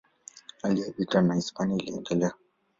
Hali ya vita na Hispania iliendelea.